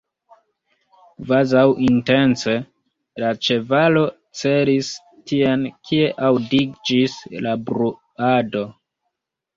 Kvazaŭ intence, la ĉevalo celis tien, kie aŭdiĝis la bruado.